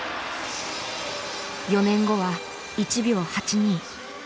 ４年後は「１秒８２」。